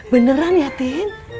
beneran ya tin